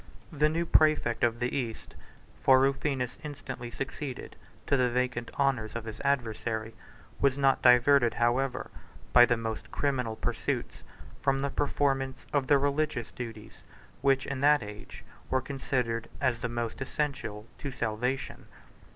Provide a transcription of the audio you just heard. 8 The new præfect of the East (for Rufinus instantly succeeded to the vacant honors of his adversary) was not diverted, however, by the most criminal pursuits, from the performance of the religious duties, which in that age were considered as the most essential to salvation.